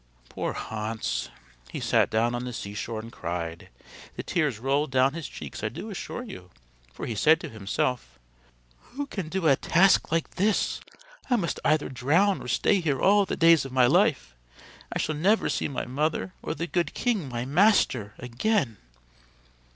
Poor Hans! He sat down on the seashore and cried the tears rolled down his cheeks I do assure you for he said to himself: "Who can do a task like this? I must either drown or stay here all the days of my life. I shall never see my mother or the good king, my master, again."